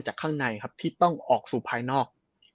ข้างในครับที่ต้องออกสู่ภายนอก